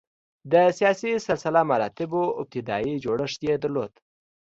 د سیاسي سلسله مراتبو ابتدايي جوړښت یې درلود.